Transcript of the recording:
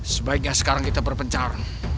sebaiknya sekarang kita berpencar